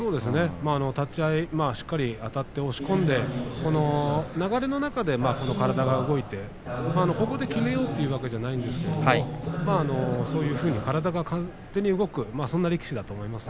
立ち合いしっかりとあたって押し込んで流れの中で体が動いてここで決めようということではないんですがそういうふうに体が勝手に動くそんな力士だと思います。